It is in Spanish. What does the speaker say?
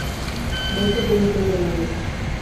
Volker tiene cinco hermanos.